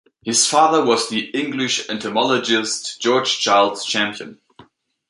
His father was the English entomologist George Charles Champion.